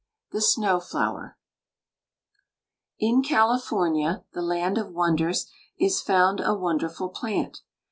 D. THE SNOW FLOWER. In California, the land of wonders, is found a wonderful plant.